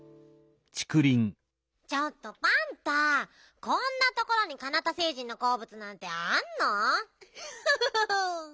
ちょっとパンタこんなところにカナタ星人のこうぶつなんてあんの？